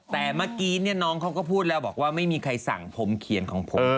แต่เมื่อกี้น้องเขาก็พูดแล้วบอกว่าไม่มีใครสั่งผมเขียนของผม